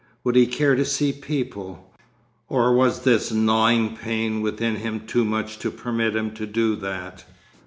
Would he care to see people? Or was this gnawing pain within him too much to permit him to do that?